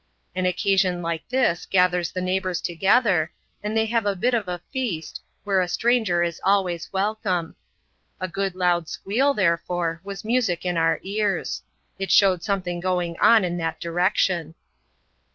An occasion like this gathers the neighbours together, and they have a bit of a feast, where a stranger is always wel come. A good loud squeal, therefore, was music in our ears. It showed something going on in that direction.